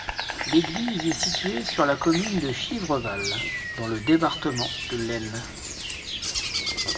L'église est située sur la commune de Chivres-Val, dans le département de l'Aisne.